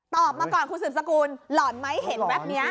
มาก่อนคุณสืบสกุลหล่อนไหมเห็นแบบนี้